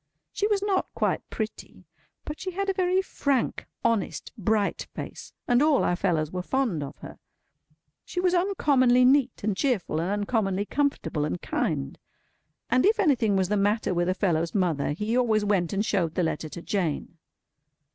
She was not quite pretty; but she had a very frank, honest, bright face, and all our fellows were fond of her. She was uncommonly neat and cheerful, and uncommonly comfortable and kind. And if anything was the matter with a fellow's mother, he always went and showed the letter to Jane.